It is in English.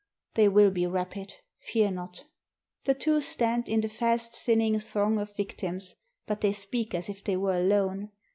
"They will be rapid. Fear not!" The two stand in the fast thinning throng of victims, but they speak as if they were alone.